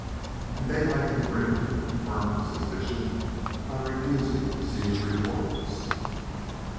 And Daylight had grinned and confirmed the suspicion by refusing to see the reporters.